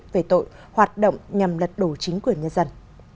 về tội hoạt động nhằm lật đổ chính quyền nhân dân